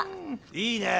いいねぇ！